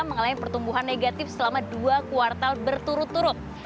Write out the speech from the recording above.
mengalami pertumbuhan negatif selama dua kuartal berturut turut